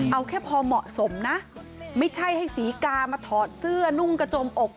เอาแค่พอเหมาะสมนะไม่ใช่ให้ศรีกามาถอดเสื้อนุ่งกระจมอก